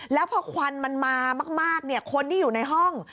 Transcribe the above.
แล้วพอควันมันมามากคนที่อยู่ในห้อง